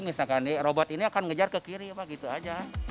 misalkan robot ini akan ngejar ke kiri begitu saja